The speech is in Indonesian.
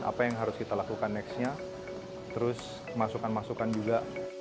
apa yang harus kita lakukan nextnya terus masukan masukan juga